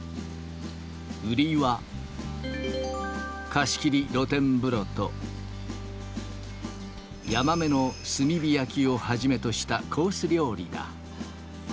売りは、貸し切り露天風呂と、ヤマメの炭火焼きをはじめとしたコース料理だ。